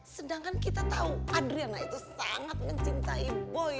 sedangkan kita tau adriana itu sangat mencintai boy